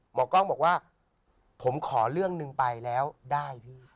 หมอกล้องบอกว่าผมขอเรื่องหนึ่งไปแล้วได้พี่